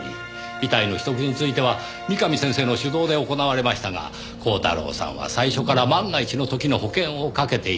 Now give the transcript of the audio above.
遺体の秘匿については三上先生の主導で行われましたが鋼太郎さんは最初から万が一の時の保険をかけていた。